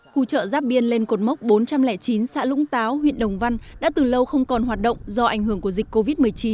khu chợ giáp biên lên cột mốc bốn trăm linh chín xã lũng táo huyện đồng văn đã từ lâu không còn hoạt động do ảnh hưởng của dịch covid một mươi chín